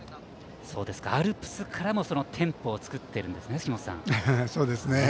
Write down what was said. アルプスからもテンポを作っているんですね。